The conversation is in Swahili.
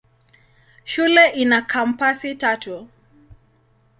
Shule ina kampasi tatu.